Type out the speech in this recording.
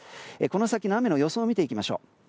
この先の雨の予想を見ていきましょう。